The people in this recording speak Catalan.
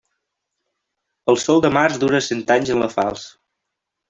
El sol de març dura cent anys en la falç.